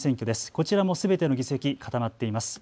こちらもすべての議席、固まっています。